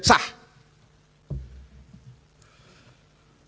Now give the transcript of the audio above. bentuk hukum apapun yang dipilih oleh presiden